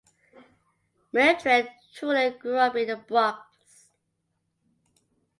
Mildred Trouillot grew up in the Bronx.